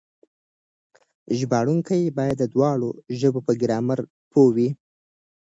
ژباړونکي بايد د دواړو ژبو په ګرامر پوه وي.